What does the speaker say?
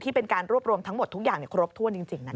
เป็นการรวบรวมทั้งหมดทุกอย่างครบถ้วนจริงนะคะ